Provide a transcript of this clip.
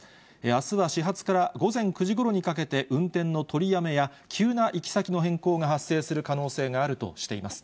あすは始発から午前９時ごろにかけて、運転の取りやめや、急な行き先の変更が発生する可能性があるとしています。